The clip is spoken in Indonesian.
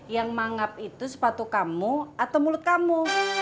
yang mangap itu sepatu kamu atau mulut kamu